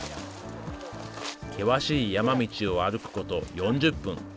険しい山道を歩くこと４０分。